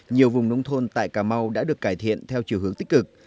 nhiều vùng nông thôn tại cà mau đã được cải thiện theo chiều hướng tích cực